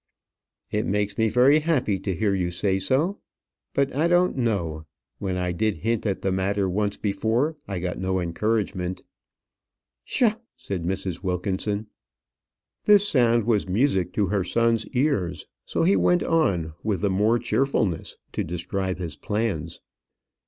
"It makes me very happy to hear you say so. But I don't know. When I did hint at the matter once before, I got no encouragement." "Psha!" said Mrs. Wilkinson. This sound was music to her son's ears; so he went on with the more cheerfulness to describe his plans.